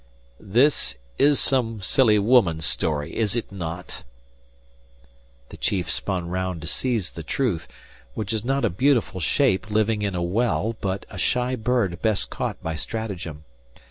"This is some silly woman story is it not?" The chief spun round to seize the truth, which is not a beautiful shape living in a well but a shy bird best caught by stratagem.